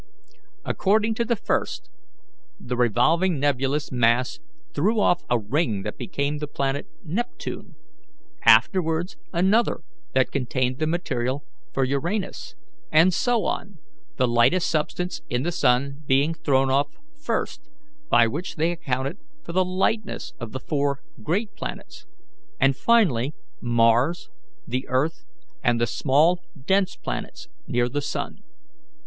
According to the first, the revolving nebulous mass threw off a ring that became the planet Neptune, afterwards another that contained the material for Uranus, and so on, the lightest substance in the sun being thrown off first, by which they accounted for the lightness of the four great planets, and finally Mars, the earth, and the small dense planets near the sun.